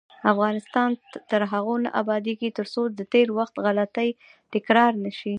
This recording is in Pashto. افغانستان تر هغو نه ابادیږي، ترڅو د تیر وخت غلطۍ تکرار نشي.